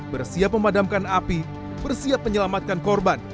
bersiap memadamkan api bersiap menyelamatkan korban